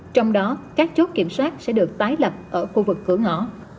trong đó các chốt kiểm soát sẽ được tái lập ở khu vực cửa ngõ